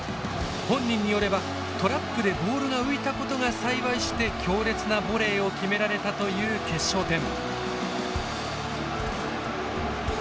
本人によればトラップでボールが浮いたことが幸いして強烈なボレーを決められたという決勝点。